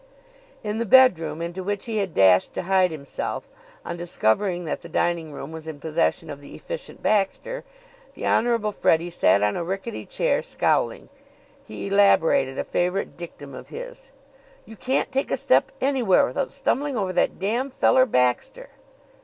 In the bedroom into which he had dashed to hide himself, on discovering that the dining room was in possession of the Efficient Baxter, the Honorable Freddie sat on a rickety chair, scowling. He elaborated a favorite dictum of his: "You can't take a step anywhere without stumbling over that damn feller, Baxter!"